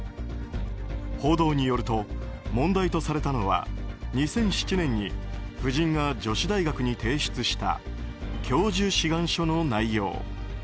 報道によると、問題とされたのは２００７年に夫人が女子大学に提出した教授志願書の内容。